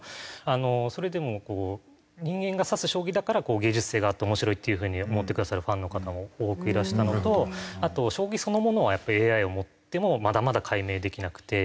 それでもこう人間が指す将棋だから芸術性があって面白いっていう風に思ってくださるファンの方も多くいらしたのとあと将棋そのものはやっぱりＡＩをもってもまだまだ解明できなくて。